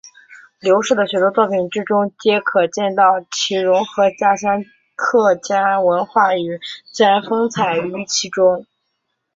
刘氏的许多作品之中皆可见到其融合家乡客家文化与自然风采于其中。